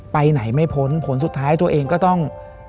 ไปไหนไม่พ้นผลสุดท้ายตัวเองก็ต้อง